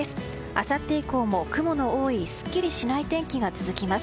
あさって以降も雲の多いすっきりしない天気が続きます。